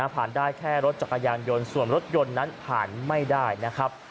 ได้แค่รถจักรยานยนต์ส่วนรถยนต์นั้นผ่านไม่ได้นะครับ